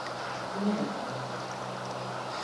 Bunu yapmam.